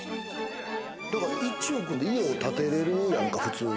１億で家を建てれるやんか、普通に。